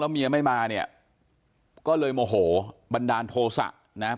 เมียไม่มาเนี่ยก็เลยโมโหบันดาลโทษะนะครับ